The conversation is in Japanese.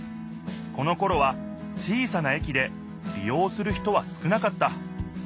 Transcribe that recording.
このころは小さなえきでり用する人は少なかった。